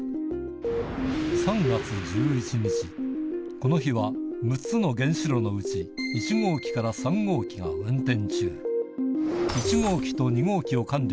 この日は６つの原子炉のうち１号機から３号機が運転中